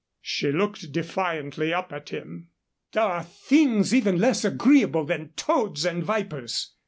She looked defiantly up at him. "There are things even less agreeable than toads and vipers."